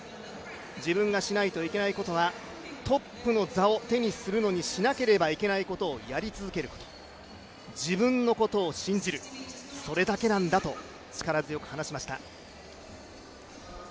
自分がしないといけないことは、トップの座を手にするのに、しなければいけないことをやり続ける、自分のことを信じる、それだけなんだと力強く話しました。